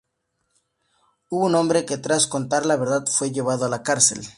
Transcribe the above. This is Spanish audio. Hubo un hombre que tras contar la verdad fue llevado a la cárcel.